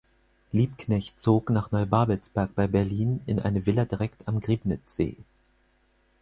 Liebknecht zog nach Neubabelsberg bei Berlin in eine Villa direkt am Griebnitzsee.